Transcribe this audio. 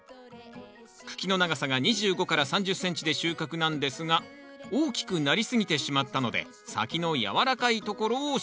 茎の長さが２５３０ｃｍで収穫なんですが大きくなりすぎてしまったので先の軟らかいところを収穫します